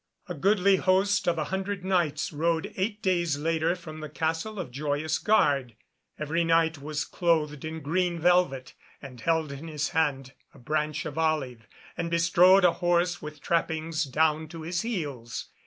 A goodly host of a hundred Knights rode eight days later from the Castle of Joyous Gard; every Knight was clothed in green velvet, and held in his hand a branch of olive, and bestrode a horse with trappings down to his heels.